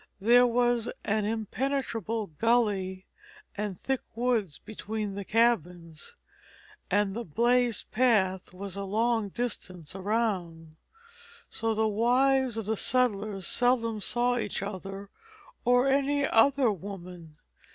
There was an impenetrable gully and thick woods between the cabins; and the blazed path was a long distance around, so the wives of the settlers seldom saw each other or any other woman.